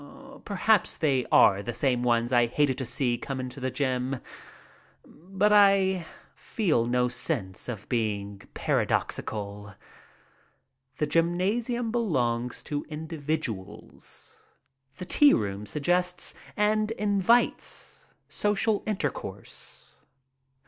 Perhaps they are the same ones I hated to see come into the gym, but I feel no sense of being paradoxical. The gymnasium belongs to individuals. The tea room suggests and invites social inter course.